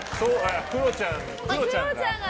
クロちゃんが。